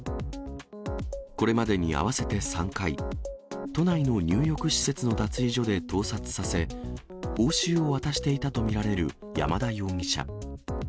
これまでに合わせて３回、都内の入浴施設の脱衣所で盗撮させ、報酬を渡していたと見られる山田容疑者。